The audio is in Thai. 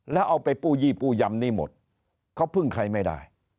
แล้วเอาไปกู้ยี่ปู้ยำนี่หมดเขาพึ่งใครไม่ได้